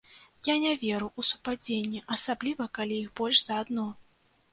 Я не веру ў супадзенні, асабліва калі іх больш за адно.